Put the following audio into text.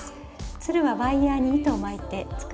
つるはワイヤーに糸を巻いて作っています。